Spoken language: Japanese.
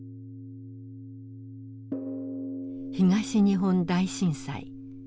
東日本大震災。